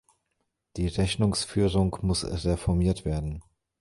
Die Rechnungsführung muss reformiert werden.